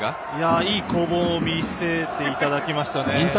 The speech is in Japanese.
いい攻防を見せていただきましたね。